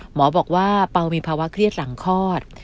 หมอบอกว่าเปล่ามีภาวะเครียดหลังคลอด